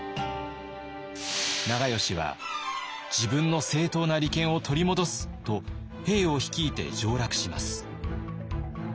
長慶は「自分の正当な利権を取り戻す」と兵を率いて上洛します。